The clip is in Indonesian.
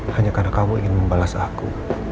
hanya karena kamu ingin membalas aku